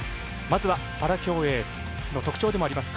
まずは、パラ競泳の特徴でもあります